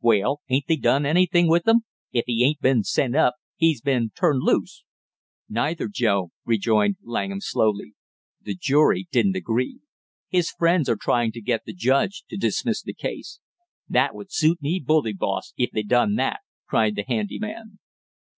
"Well, ain't they done anything with him? If he ain't been sent up, he's been turned loose." "Neither, Joe," rejoined Langham slowly. "The jury didn't agree. His friends are trying to get the judge to dismiss the case." "That would suit me bully, boss, if they done that!" cried the handy man.